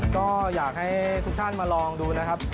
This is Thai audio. ก็อยากให้ทุกท่านมาลองดูนะครับ